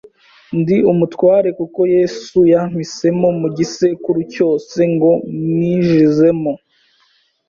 ndi umutware kuko Yesu yampisemo mu gisekuru cyose ngo mwijizemo